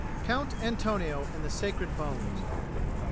COUNT ANTONIO AND THE SACRED BONES.